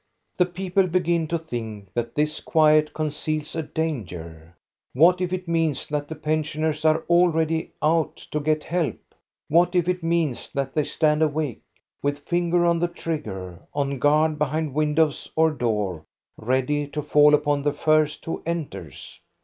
The people begin to think that this quiet conceals a danger. What if it means that the pensioners are already out to get help ? What if it means that they stand awake, with finger on the trigger, on guard be hind windows or door, ready to fall upon the first who enters?